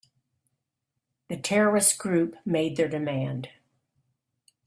The terrorist group made their demand.